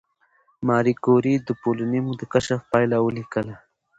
ماري کوري د پولونیم د کشف پایله ولیکله.